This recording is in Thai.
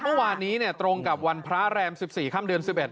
เมื่อวานนี้ตรงกับวันพระแรม๑๔ค่ำเดือน๑๑